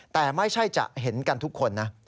แต่ไม่ใช่จะเห็นกันทุกคนนะ